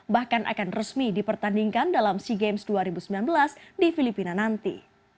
bahkan akan resmi dipertandingkan dalam sea games dua ribu sembilan belas di filipina nanti